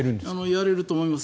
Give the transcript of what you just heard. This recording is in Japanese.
やれると思います。